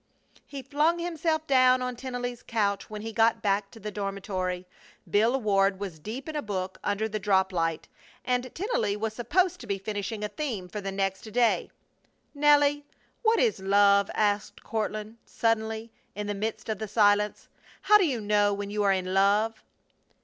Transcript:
He flung himself down on Tennelly's couch when he got back to the dormitory. Bill Ward was deep in a book under the drop light, and Tennelly was supposed to be finishing a theme for the next day. "Nelly, what is love?" asked Courtland, suddenly, in the midst of the silence. "How do you know when you are in love?"